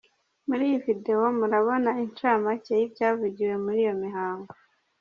Muri iyi vidéo murabona incamake z’ibuavugiwe muri iyo mihango.